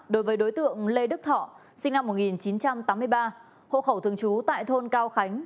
đối với đối tượng lê đức thọ sinh năm một nghìn chín trăm tám mươi ba hộ khẩu thường trú tại thôn cao khánh